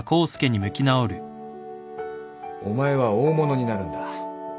お前は大物になるんだ。